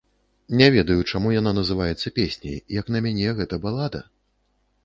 Не ведаю, чаму яна называецца песняй, як на мяне, гэта балада.